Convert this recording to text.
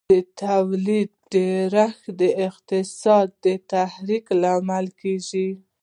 د تولید ډېرښت د اقتصادي تحرک لامل کیږي.